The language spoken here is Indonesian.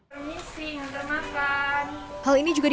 permisi yang termakan